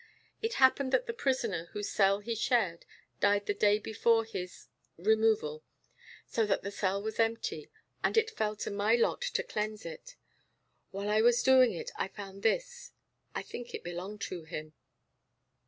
It happened that the prisoner whose cell he shared died the day before his removal. So that the cell was empty, and it fell to my lot to cleanse it. Whilst I was doing it I found this; I think it belonged to him."